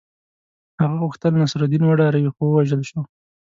هغه غوښتل نصرالدین وډاروي خو ووژل شو.